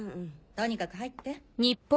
とにかく入って。